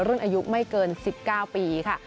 รุ่นอายุไม่เกิน๑๙ปีค่ะ